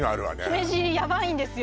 姫路ヤバいんですよ